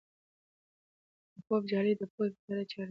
د خوب جال د پوهې په تېره چاړه باندې وشکېد.